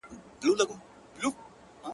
د ژوند په څو لارو كي,